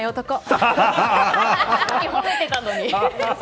さっき褒めてたのに。